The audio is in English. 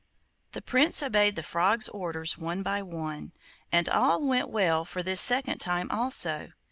The Prince obeyed the Frog's orders one by one, and all went well for this second time also.